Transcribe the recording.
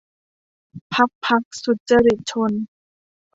พรรคพรรคสุจริตชน